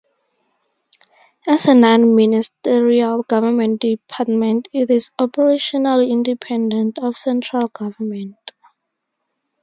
As a non-ministerial government department it is operationally independent of central government.